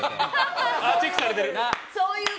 チェックされてる！